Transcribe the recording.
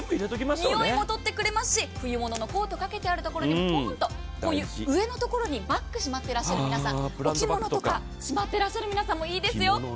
臭いもとってくれますし、冬物のコートをかけているところにもポンとこういう上のところにバッグをしまっていらっしゃる皆さん、お着物とかしまっていらっしゃる方にもいいですよ。